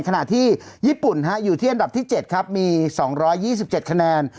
ขณะที่ญี่ปุ่นฮะอยู่ที่อันดับที่เจ็ดครับมีสองร้อยยี่สิบเจ็ดคะแนน